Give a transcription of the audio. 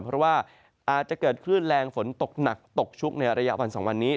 เพราะว่าอาจจะเกิดคลื่นแรงฝนตกหนักตกชุกในระยะวัน๒วันนี้